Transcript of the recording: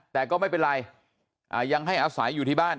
แต่ก็ไม่เป็นไรยังให้อาศัยอยู่ที่บ้าน